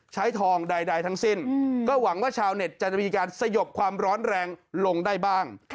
ใช้ทองใดทั้งสิ้นก็หวังว่าชาวเน็ตจะมีการสยบความร้อนแรงลงได้บ้าง